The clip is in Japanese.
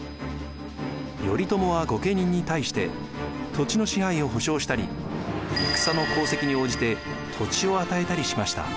頼朝は御家人に対して土地の支配を保証したり戦の功績に応じて土地を与えたりしました。